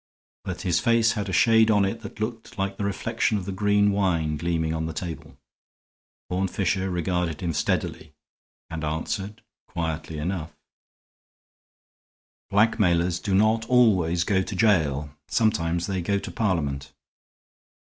But his face had a shade on it that looked like the reflection of the green wine gleaming on the table. Horne Fisher regarded him steadily and answered, quietly enough: "Blackmailers do not always go to jail. Sometimes they go to Parliament.